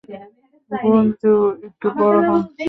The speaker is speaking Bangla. গুঞ্জু, একটু বড় হও।